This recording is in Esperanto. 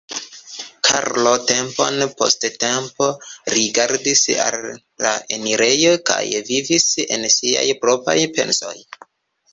Karlo tempon post tempo rigardis al la enirejo kaj vivis en siaj propraj pensoj.